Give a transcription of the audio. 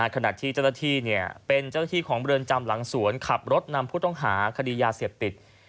ขณะที่เจ้าหน้าที่เป็นเจ้าหน้าที่ของเรือนจำหลังสวนขับรถนำผู้ต้องหาคดียาเสพติด